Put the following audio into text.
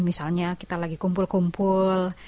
misalnya kita lagi kumpul kumpul